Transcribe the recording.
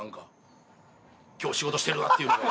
今日仕事してるわっていうのが。